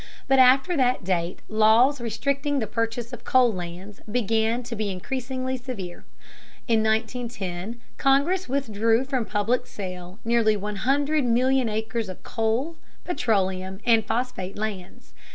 But after that date laws restricting the purchase of coal lands began to be increasingly severe. In 1910 Congress withdrew from public sale nearly 100,000,000 acres of coal, petroleum, and phosphate lands.